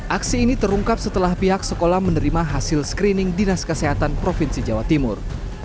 aksi ini terungkap setelah pihak sekolah menerima hasil screening dinas kesehatan provinsi jawa timur